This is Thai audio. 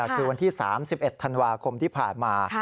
คือวันที่๓๑ธันวาคมที่ผ่านมา